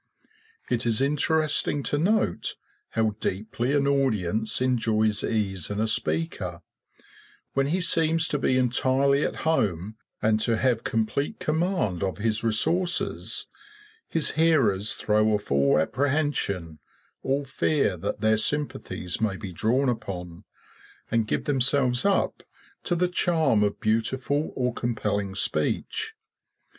It is interesting to note how deeply an audience enjoys ease in a speaker; when he seems to be entirely at home and to have complete command of his resources, his hearers throw off all apprehension, all fear that their sympathies may be drawn upon, and give themselves up to the charm of beautiful or compelling speech.